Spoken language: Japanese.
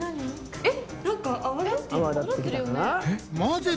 えっ！